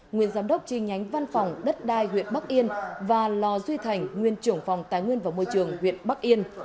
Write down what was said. nguyên giám đốc chi nhánh văn phòng đất đai huyện bắc yên và lò duy thành nguyên trưởng phòng tài nguyên và môi trường huyện bắc yên